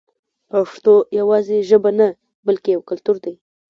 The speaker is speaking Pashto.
پښتو یوازې ژبه نه بلکې یو کلتور دی.